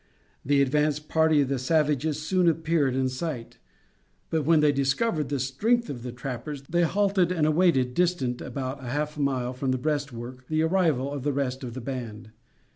The advance party of the savages soon appeared in sight, but when they discovered the strength of the trappers, they halted and awaited, distant about half a mile from the breastwork, the arrival of the rest of the band.